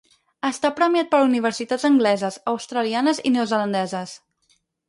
Està premiat per universitats angleses, australianes i neozelandeses.